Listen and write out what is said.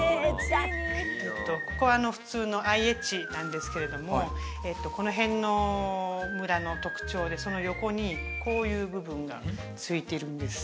ここ普通のＩＨなんですけれどもこの辺の村の特徴でその横にこういう部分がついてるんです